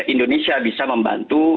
indonesia bisa membantu